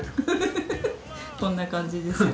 こんな感じですよ。